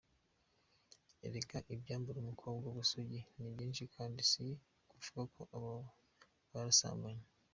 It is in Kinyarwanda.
Erega ibyambura umukobwa ubusugi ni byinshi kandi si ukuvuga ko aba yarasambanye.